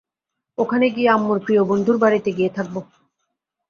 ওখানে গিয়ে আম্মুর প্রিয় বন্ধুর বাড়িতে গিয়ে থাকবো।